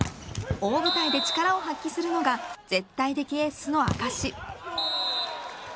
大舞台で力を発揮するのが絶対的エースの証し。